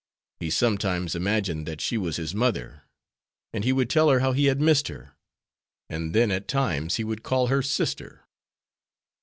He sometimes imagined that she was his mother, and he would tell her how he had missed her; and then at times he would call her sister.